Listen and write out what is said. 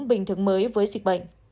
bình thường mới với dịch bệnh